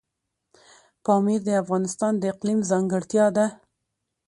پامیر د افغانستان د اقلیم ځانګړتیا ده.